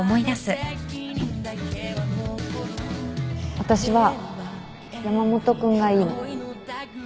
私は山本君がいいの